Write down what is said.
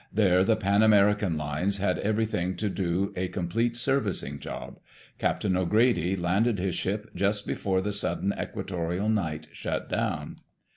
There the Pan American Lines had everything to do a complete servicing job. Captain O'Grady landed his ship just before the sudden equatorial night shut down.